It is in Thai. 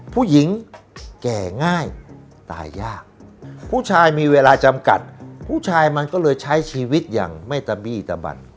ผู้หญิงแก่ง่ายตายยากผู้ชายมีเวลาจำกัดผู้ชายมันก็เลยใช้ชีวิตอย่างไม่ตะบี้ตะบัน